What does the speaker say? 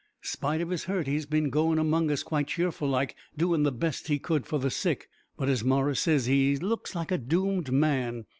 Spite of his hurt he's bin goin' among us quite cheerful like, doin' the best he could for the sick; but as Morris says, he looks like a doomed man.